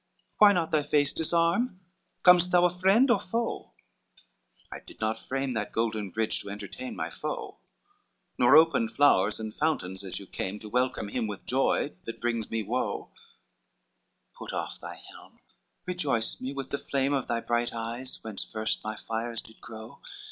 —why not thy face disarm? XXXII "Com'st thou a friend or foe? I did not frame That golden bridge to entertain my foe, Nor opened flowers and fountains as you came, To welcome him with joy that brings me woe: Put off thy helm, rejoice me with the flame Of thy bright eyes, whence first my fires did grow.